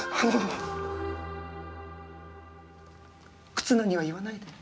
忽那には言わないでね。